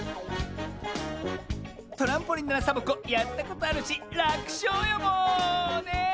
トランポリンならサボ子やったことあるしらくしょうよもう！ねえ。